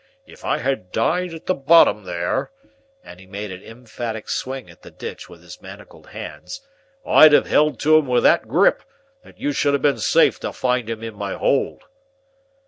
If I had died at the bottom there," and he made an emphatic swing at the ditch with his manacled hands, "I'd have held to him with that grip, that you should have been safe to find him in my hold."